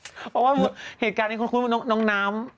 เพราะว่าเหตุการณ์นี้คุ้นว่าน้องน้ำ